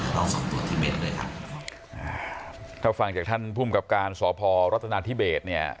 เราส่งตรวจที่เบสด้วยครับถ้าฟังจากท่านภูมิกับการสภรถนาที่เบสเนี่ย